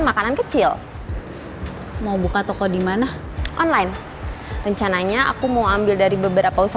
makanan kecil mau buka toko dimana online rencananya aku mau ambil dari beberapa